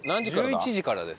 １１時からです。